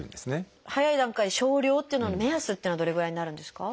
早い段階で少量っていうのの目安というのはどれぐらいになるんですか？